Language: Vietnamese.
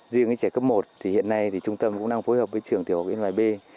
riêng trẻ cấp một hiện nay trung tâm cũng đang phối hợp với trường tiểu học yên bài b